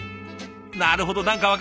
なるほど何か分かる！